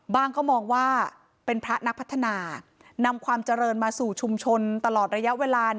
เขามองว่าเป็นพระนักพัฒนานำความเจริญมาสู่ชุมชนตลอดระยะเวลา